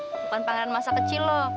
bukan pangeran masa kecil loh